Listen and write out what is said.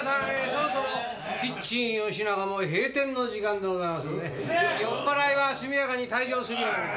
そろそろキッチンよしながの閉店の時間でございますので酔っ払いは速やかに退場するように。